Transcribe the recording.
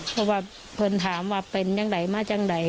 เพราะว่าเพื่อนถามว่าเป็นอย่างไรมาจากไหน